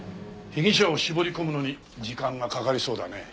被疑者を絞り込むのに時間がかかりそうだね。